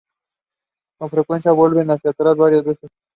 Con frecuencia vuelven hacia atrás varias veces.